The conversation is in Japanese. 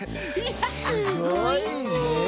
すごいね！